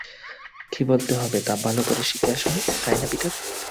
কী বলতে হবে, তা ভালো করে শিখে আসোনি, তাই না পিটার?